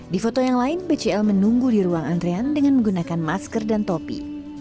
di foto yang lain bcl menunggu di ruang antrean dengan menggunakan masker dan topi